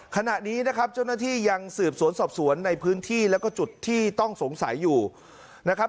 ขณะนี้นะครับเจ้าหน้าที่ยังสืบสวนสอบสวนในพื้นที่แล้วก็จุดที่ต้องสงสัยอยู่นะครับ